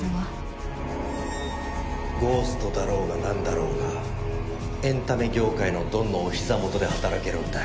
ゴーストだろうがなんだろうがエンタメ業界のドンのおひざ元で働けるんだ。